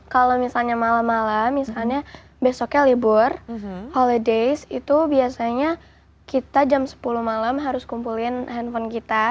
kalau misalnya malam malam misalnya besoknya libur holidays itu biasanya kita jam sepuluh malam harus kumpulin handphone kita